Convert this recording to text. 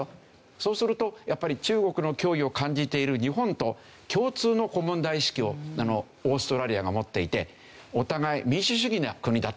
そうするとやっぱり中国の脅威を感じている日本と共通の問題意識をオーストラリアが持っていてお互い民主主義な国だと。